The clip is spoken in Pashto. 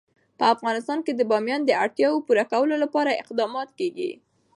په افغانستان کې د بامیان د اړتیاوو پوره کولو لپاره اقدامات کېږي.